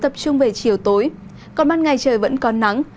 chủ yếu tập trung về chiều tối còn mắt ngày trời vẫn còn nắng